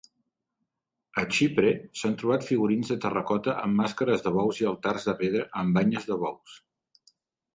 A Xipre s'han trobat figurins de terracota amb màscares de bous i altars de pedra amb banyes de bous.